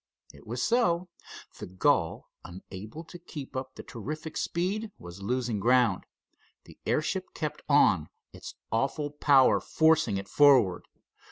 It was so. The gull, unable to keep up the terrific speed, was losing ground. The airship kept on, its awful power forcing it forward.